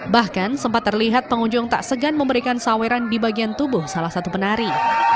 bahkan sempat terlihat pengunjung tak segan memberikan saweran di bagian tubuh salah satu penari